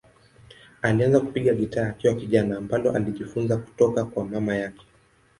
Alianza kupiga gitaa akiwa kijana, ambalo alijifunza kutoka kwa mama yake.